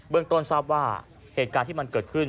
เรื่องต้นทราบว่าเหตุการณ์ที่มันเกิดขึ้น